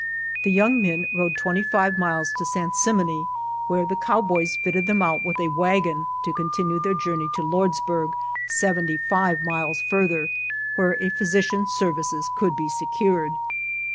The young men rode twenty five miles to Sansimone, where the cowboys fitted them out with a wagon to continue their journey to Lords burg, seventy five miles further, where a physician's services could be secured.